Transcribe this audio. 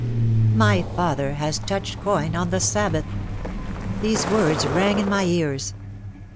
"My father has touched coin on the Sabbath!" These words rang in my ears.